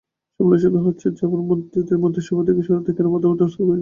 সমালোচনা হচ্ছে, জাপার মন্ত্রীদের মন্ত্রিসভা থেকে সরাতে কেন প্রধানমন্ত্রীর হস্তক্ষেপ প্রয়োজন।